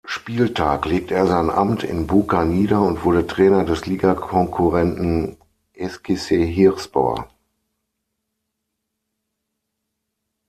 Spieltag legte er sein Amt in Buca nieder und wurde Trainer des Ligakonkurrenten Eskişehirspor.